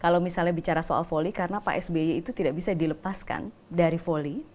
kalau misalnya bicara soal voli karena pak sby itu tidak bisa dilepaskan dari voli